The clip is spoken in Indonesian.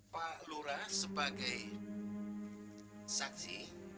pak lura sebagai saksi